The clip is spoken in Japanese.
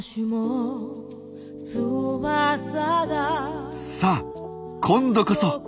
さあ今度こそ。